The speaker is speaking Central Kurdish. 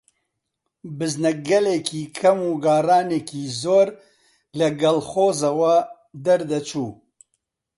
بزنەگەلێکی کەم و گاڕانێکی زۆر لە کەڵخۆزەوە دەردەچوو